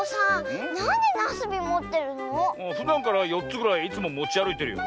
ふだんから４つぐらいいつももちあるいてるよ。